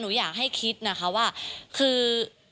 อยากให้คิดนะคะว่าคือ